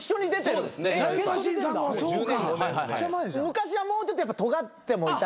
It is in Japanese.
昔はもうちょっとやっぱとがってもいたし。